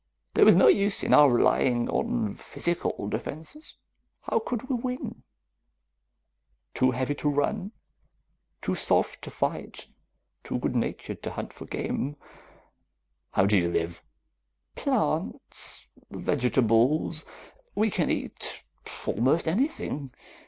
There was no use in our relying on physical defenses. How could we win? Too heavy to run, too soft to fight, too good natured to hunt for game " "How do you live?" "Plants. Vegetables. We can eat almost anything.